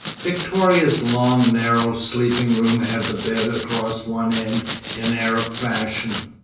Victoria's long, narrow sleeping room had the bed across one end, in Arab fashion.